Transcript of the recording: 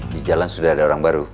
di jalan sudah ada orang baru